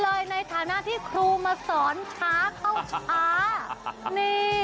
ในฐานะที่ครูมาสอนช้าเข้าช้านี่